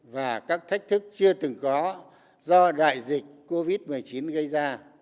và các thách thức chưa từng có do đại dịch covid một mươi chín gây ra